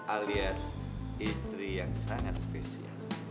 alias istri yang sangat spesial